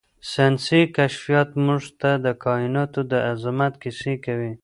ساینسي کشفیات موږ ته د کائناتو د عظمت کیسې کوي.